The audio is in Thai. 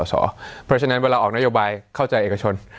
เพราะฉะนั้นเวลาออกนโยบายเข้าใจเอกชน